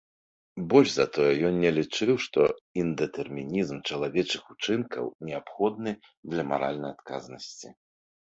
Больш за тое, ён не лічыў, што індэтэрмінізм чалавечых учынкаў неабходны для маральнай адказнасці.